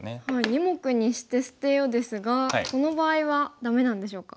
「二目にして捨てよ」ですがこの場合はダメなんでしょうか。